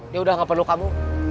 dia udah gak perlu kamu